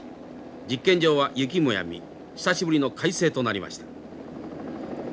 実験場は雪もやみ久しぶりの快晴となりました。